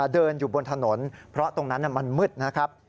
เดินอยู่บนถนนเพราะตรงนั้นมันมืดนะครับ